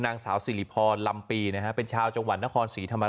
นางสาวสิริพรลำปีนะฮะเป็นชาวจังหวัดนครศรีธรรมราช